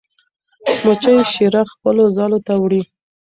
مچۍ شیره خپلو ځالو ته وړي.